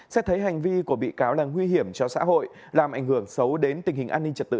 xét thấy hành vi của bị cáo là nguy hiểm cho xã hội làm ảnh hưởng xấu đến tình hình an ninh trật tự